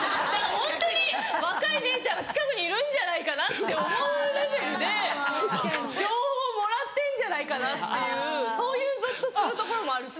ホントに若い姉ちゃん近くにいるんじゃないかなって思うレベルで情報もらってんじゃないかなっていうそういうゾッとするところもあるし。